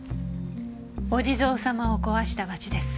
お地蔵様を壊したバチです。